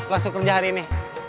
langsung kerja hari ini